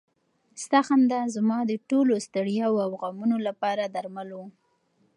ستا خندا زما د ټولو ستړیاوو او غمونو لپاره درمل و.